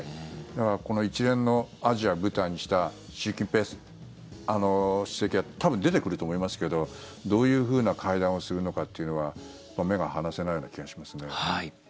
だからこの一連のアジアを舞台にした習近平主席は多分出てくると思いますけどどういうふうな会談をするのかというのは目が離せないような気がしますね。